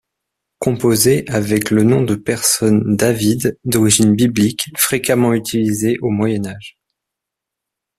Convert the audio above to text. Composé avec le nom de personne David, d'origine biblique, fréquemment utilisé au Moyen Age.